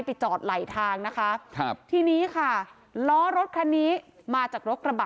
ไปจอดไหลทางนะคะครับทีนี้ค่ะล้อรถคันนี้มาจากรถกระบะ